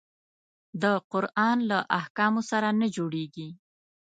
د قرآن له احکامو سره نه جوړیږي.